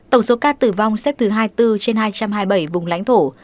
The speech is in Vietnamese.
tổng số ca tử vong xếp thứ hai mươi bốn trên hai trăm hai mươi bảy vùng lãnh thổ